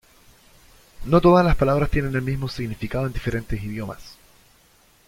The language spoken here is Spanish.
No todas las palabras tienen el mismo significado en diferentes idiomas.